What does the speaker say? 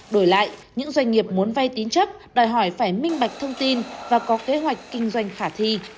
đổi lại những doanh nghiệp muốn vay tín chấp đòi hỏi phải minh bạch thông tin và có kế hoạch kinh doanh khả thi